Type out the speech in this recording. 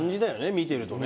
見てるとね。